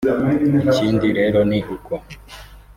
Ikindi rero ni uko